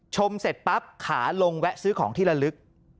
เสร็จปั๊บขาลงแวะซื้อของที่ละลึก